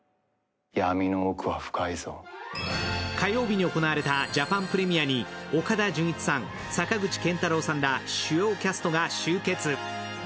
火曜日に行われたジャパンプレミアに岡田准一さん、坂口健太郎さんら主要キャストが集結。